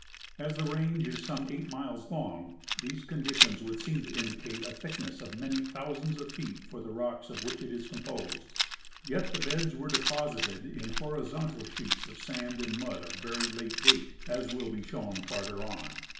As the range is some eight miles long, these conditions would seem to indicate a thickness of many thousands of feet for the rocks of which it is composed ; yet the beds were deposited in horizontal sheets of sand and mud of very late date, as Avill be shown farther on.